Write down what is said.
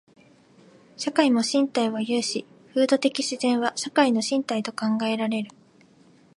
社会も身体を有し、風土的自然は社会の身体と考えられる。